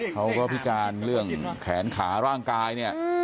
เขาก็พี่การเรื่องแขนขาร่างกายเนี่ย